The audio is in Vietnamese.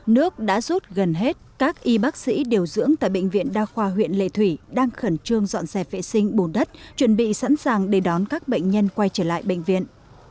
nước đã rút gần hết các y bác sĩ điều dưỡng tại bệnh viện đa khoa huyện lệ thủy đang khẩn trương dọn xe vệ sinh bùn đất chuẩn bị sẵn sàng để đón các bệnh nhân quay trở lại bệnh viện